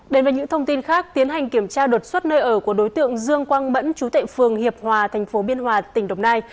đến với những thông tin khác tiến hành kiểm tra đột xuất nơi ở của đối tượng dương quang bẫn chú tệ phường hiệp hòa thành phố biên hòa tỉnh đồng nai